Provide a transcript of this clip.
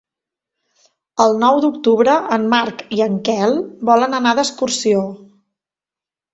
El nou d'octubre en Marc i en Quel volen anar d'excursió.